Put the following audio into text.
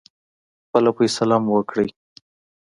خپله فیصله مو وکړی.